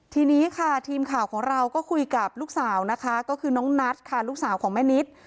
ทีนี้ค่ะทีมข่าวของเราก็คุยกับลูกสาวนะคะก็คือน้องนัทค่ะลูกสาวของแม่นิด